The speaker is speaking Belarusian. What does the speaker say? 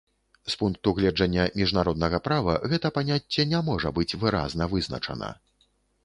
З пункту гледжання міжнароднага права, гэта паняцце не можа быць выразна вызначана.